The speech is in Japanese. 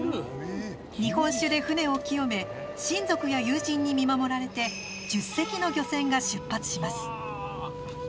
日本酒で船を清め親族や友人に見守られて１０隻の漁船が出発します。